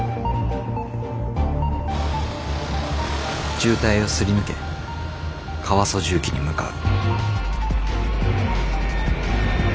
渋滞をすり抜けカワソ什器に向かう。